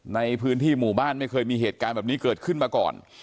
ในพื้นที่หมู่บ้านไม่เคยมีเหตุการณ์แบบนี้เกิดขึ้นมาก่อน